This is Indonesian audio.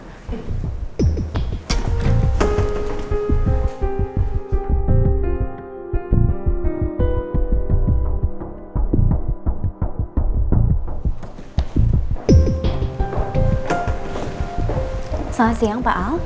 selamat siang pak al